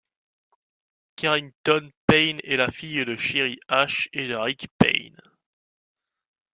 Kherington Payne est la fille de Sheri Ashe et de Rick Payne.